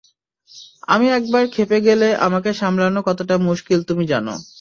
আমি একবার ক্ষেপে গেলে আমাকে সামলানো কতোটা মুশকিল তুমি জানো।